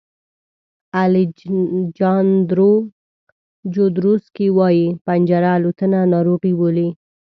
الیجاندرو جودروسکي وایي پنجره الوتنه ناروغي بولي.